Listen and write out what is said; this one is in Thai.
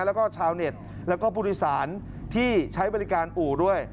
แล้วก็ชาวเน็ตแล้วก็ผู้โดยสารที่ใช้บริการอู่ด้วย